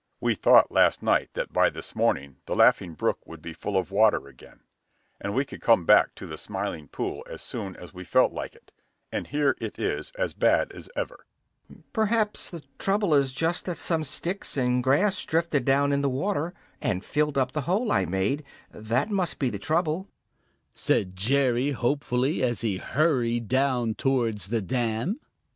We thought last night that by this morning the Laughing Brook would be full of water again, and we could go back to the Smiling Pool as soon as we felt like it, and here it is as bad as ever." "Perhaps the trouble is just that some sticks and grass drifted down in the water and filled up the hole I made; that must be the trouble," said Jerry hopefully, as he hurried towards the dam.